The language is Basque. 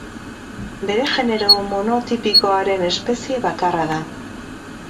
Bere genero monotipikoaren espezie bakarra da.